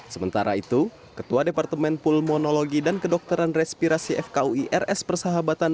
sementara itu ketua departemen pulmonologi dan kedokteran respirasi fkui rs persahabatan